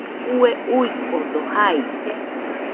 Kue uikode jaide